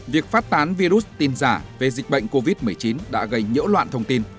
việc phát tán virus tin giả về dịch bệnh covid một mươi chín đã gây nhỡ loạn thông tin